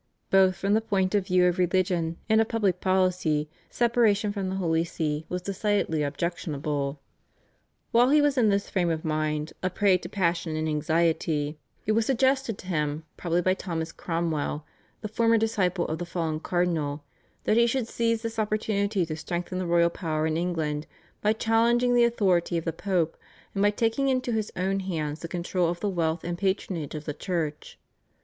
Both from the point of view of religion and of public policy separation from the Holy See was decidedly objectionable. While he was in this frame of mind, a prey to passion and anxiety, it was suggested to him, probably by Thomas Cromwell, the former disciple of the fallen cardinal, that he should seize this opportunity to strengthen the royal power in England by challenging the authority of the Pope, and by taking into his own hands the control of the wealth and patronage of the Church.